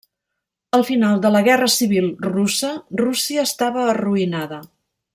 Al final de la Guerra Civil Russa, Rússia estava arruïnada.